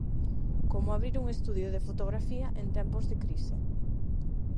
Como abrir un estudio de fotografía en tempos de crise.